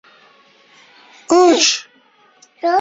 Toshkent viloyatida karantin tadbirlari kuchaytiriladi